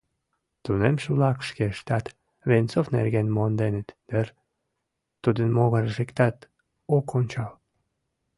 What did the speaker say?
Тунемше-влак шкештат Венцов нерген монденыт дыр, тудын могырыш иктат ок ончал.